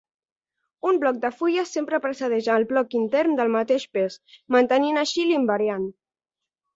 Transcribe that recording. Un bloc de fulles sempre precedeix el bloc intern del mateix pes, mantenint així l'invariant.